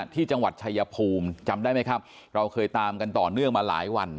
ที่จังหวัดชายภูมิจำได้ไหมครับเราเคยตามกันต่อเนื่องมาหลายวัน